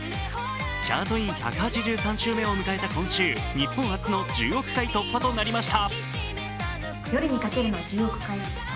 チャートイン１８３週目を迎えた今週、日本初の１０億回突破となりました。